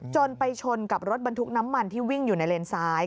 ไปชนกับรถบรรทุกน้ำมันที่วิ่งอยู่ในเลนซ้าย